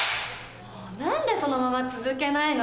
何でそのまま続けないの？